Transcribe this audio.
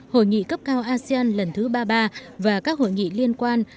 hội nghị cấp cao asean lần thứ ba mươi ba và các hội nghị liên quan